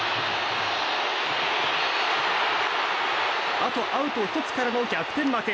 あとアウト１つからの逆転負け。